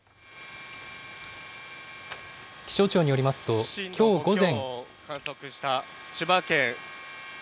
気象庁によりますと、きょう午前。